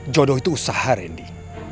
jodoh itu usaha randy